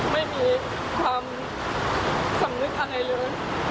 ไม่มีความสำนึกทำในเลย